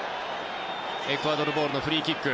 エクアドルボールのフリーキック。